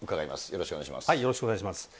よろしくお願いします。